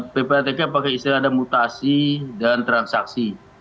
ppatk pakai istilah ada mutasi dan transaksi